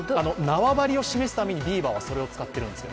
縄張りを示すためにビーバーがそれを使ってるんです。